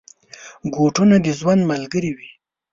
بوټونه د ژوند ملګري وي.